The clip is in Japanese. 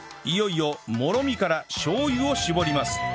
いよいよもろみからしょう油を搾ります